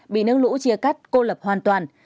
bị nước lũ chia cắt cô lập hoàn toàn